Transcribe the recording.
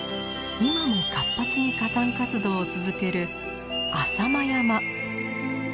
今も活発に火山活動を続ける浅間山。